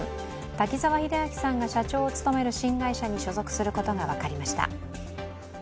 滝沢秀明さんが社長を務める新会社に所属することが分かりました。